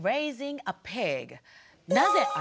なぜ？